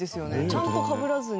ちゃんとかぶらずに。